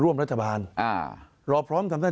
ที่ไม่มีนิวบายในการแก้ไขมาตรา๑๑๒